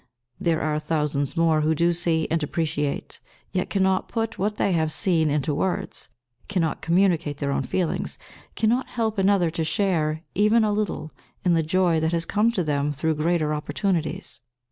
There are thousands more who do see and appreciate, yet cannot put what they have seen into words; cannot communicate their own feelings, cannot help another to share, even a little, in the joy that has come to them through greater opportunities.